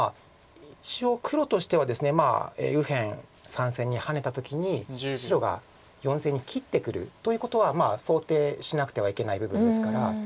一応黒としてはですね右辺３線にハネた時に白が４線に切ってくるということは想定しなくてはいけない部分ですから。